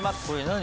何？